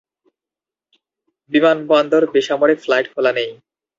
বিমানবন্দর বেসামরিক ফ্লাইট খোলা নেই।